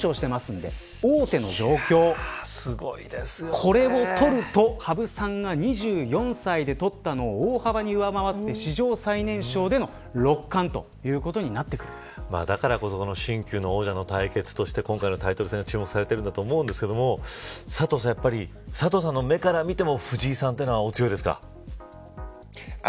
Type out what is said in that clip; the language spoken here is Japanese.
これを取ると、羽生さんが２４歳で取ったのを大幅に上回って史上最年少での六冠だからこそ新旧の王者の対決として今回のタイトル戦が注目されてるんだと思うんですけど佐藤さんの目から見ても藤井さんというのはお強いですか。